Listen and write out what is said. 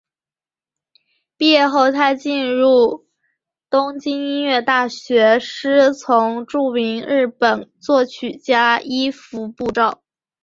毕业后她进入东京音乐大学师从著名日本作曲家伊福部昭。